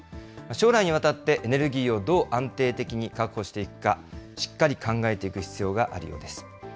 将来にわたってエネルギーをどう安定的に確保していくか、しっかり考えていく必要があるようです。